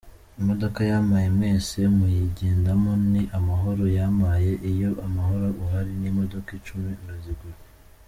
Imodoka yampaye mwese muyigendamo, ni amahoro yampaye, iyo amahoro ahari n’imodoka icumi urazigura.